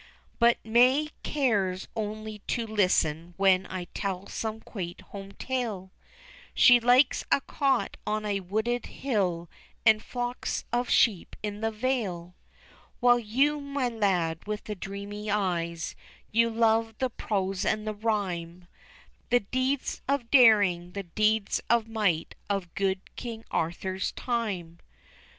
But May cares only to listen when I tell some quaint home tale, She likes a cot on a wooded hill, and flocks of sheep in the vale, While you, my lad, with the dreamy eyes, you love the prose and the rhyme, The deeds of daring, the deeds of might, of good King Arthur's time.